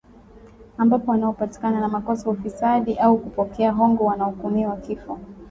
ambapo wanaopatikana na makosa ya ufisadi au kupokea hongo wanahukumiwa kifo